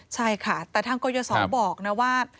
ใช่ค่ะแต่ทางกรยศบอกนะว่า